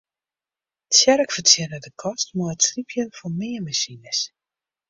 Tsjerk fertsjinne de kost mei it slypjen fan meanmasines.